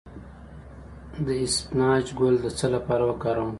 د اسفناج ګل د څه لپاره وکاروم؟